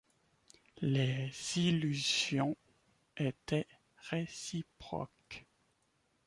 Les illusions étaient réciproques.